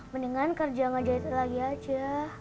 mendingan kerja ngajar lagi aja